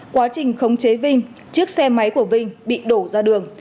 quá trình khống chế vinh chiếc xe máy của vinh bị đổ ra đường